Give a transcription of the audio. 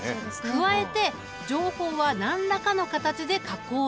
加えて情報は何らかの形で加工されている。